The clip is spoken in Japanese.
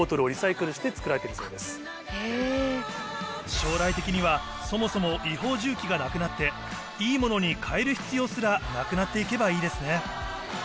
将来的にはそもそも違法銃器がなくなっていいものに変える必要すらなくなって行けばいいですね